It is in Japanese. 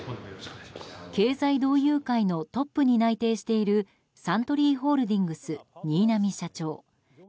経済同友会のトップに内定しているサントリーホールディングス新浪社長。